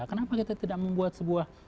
kenapa kita tidak membuat sebuah